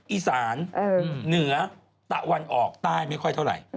อีสานเหนือตะวันออกใต้ไม่ค่อยเท่าไหร่